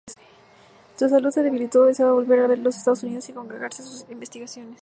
Su salud se debilitó, deseaba volver a los Estados Unidos y consagrarse sus investigaciones.